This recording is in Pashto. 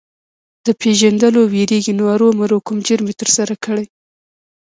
د پېژندلو وېرېږي نو ارومرو کوم جرم یې ترسره کړی.